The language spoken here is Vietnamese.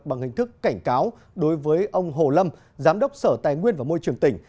bằng hình thức cảnh cáo đối với ông hồ lâm giám đốc sở tài nguyên và môi trường tỉnh